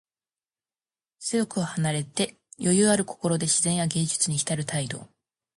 世俗を離れて、余裕ある心で自然や芸術にひたる態度。